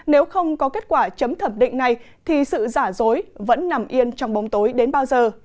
nếu không có kết quả chấm thẩm định này thì sự giả dối vẫn nằm yên trong bóng tối đến bao giờ